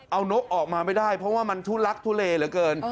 เอานกออกมาไม่ได้เพราะว่ามันทุลักทุเลเหลือเกิน